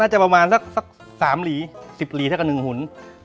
จะประมาณสัก๓หลี๑๐หลีเท่ากับ๑หุ่น